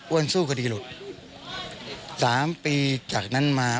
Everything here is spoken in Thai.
อ้วนสู้ก็ดีหลุด๓ปีจากนั้นมา